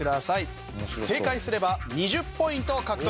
正解すれば２０ポイント獲得。